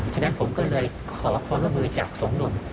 ฉะนั้นผมก็เลยขอความร่วมมือจากสองหนุ่ม